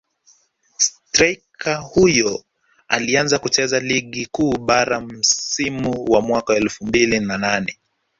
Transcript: Streika huyo alianza kuicheza Ligi Kuu Bara msimu wa mwaka elfu mbili na nane